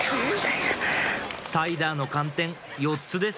サイダーの寒天４つです